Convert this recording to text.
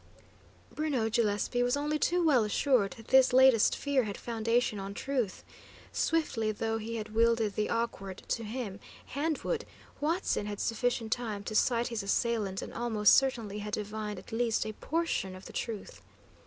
Bruno Gillespie was only too well assured that this latest fear had foundation on truth. Swiftly though he had wielded the awkward (to him) hand wood, Huatzin had sufficient time to sight his assailant, and almost certainly had divined at least a portion of the truth.